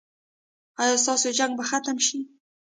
ایا ستاسو جنګ به ختم شي؟